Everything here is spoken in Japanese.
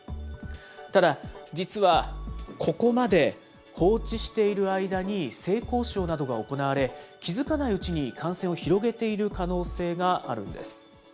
ただ、実はここまで放置している間に、性交渉などが行われ、気付かないうちに感染を広げている可能性があるんです。